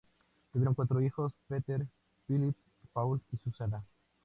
Tuvieron cuatro hijos: Peter, Philip, Paul y Susanna.